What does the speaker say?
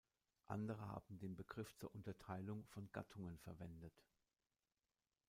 Andere haben den Begriff zur Unterteilung von Gattungen verwendet.